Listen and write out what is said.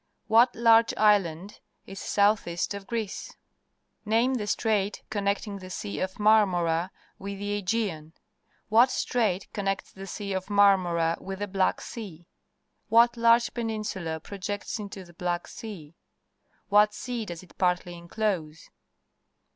What large island is south east of Greece? Name the strait connecting the Sea oj Marmora with the Aegean. What strait connects the Sea of Marmora with the Black Sen ? \\'hat large peninsula projects into the Black Sea? What sea does it partly inclose?